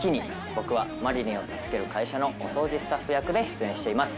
僕は麻理鈴を助ける会社のお掃除スタッフ役で出演しています。